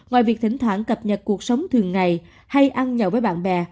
ngoài việc thỉnh thoảng cập nhật cuộc sống thường ngày hay ăn nhậu với bạn bè